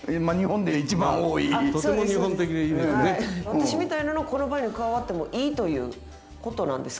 私みたいなのがこの場に加わってもいいということなんですかね？